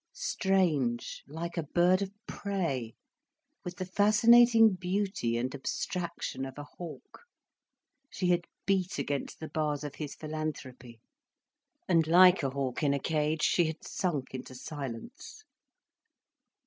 Strange, like a bird of prey, with the fascinating beauty and abstraction of a hawk, she had beat against the bars of his philanthropy, and like a hawk in a cage, she had sunk into silence.